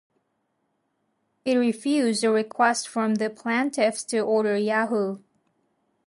It refused a request from the plaintiffs to order Yahoo!